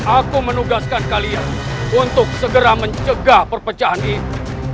aku menugaskan kalian untuk segera mencegah perpecahan ini